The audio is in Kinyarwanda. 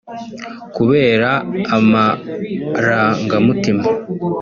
Kubera amarangamutima